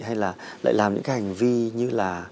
hay là lại làm những cái hành vi như là